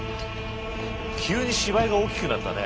急に芝居が大きくなったね。